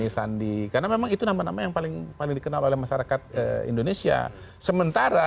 sandi karena memang itu nama nama yang paling dikenal oleh masyarakat indonesia sementara